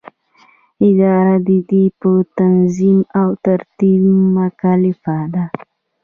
اداره د دې په تنظیم او ترتیب مکلفه ده.